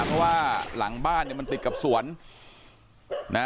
เพราะว่าหลังบ้านเนี่ยมันติดกับสวนนะ